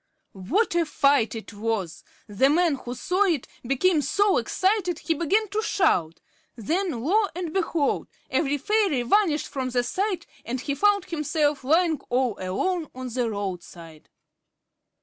What a fight it was! The man who saw it became so excited he began to shout. Then, lo and behold! every fairy vanished from sight, and he found himself lying all alone on the roadside.